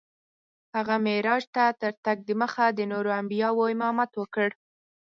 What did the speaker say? هغه معراج ته تر تګ دمخه د نورو انبیاوو امامت وکړ.